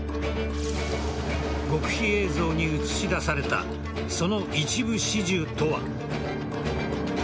極秘映像に映し出されたその一部始終とは。